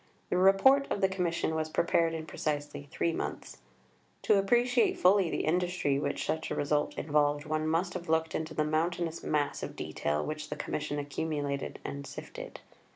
The Report of the Commission was prepared in precisely three months. To appreciate fully the industry which such a result involved, one must have looked into the mountainous mass of detail which the Commission accumulated and sifted.